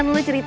nama itu apa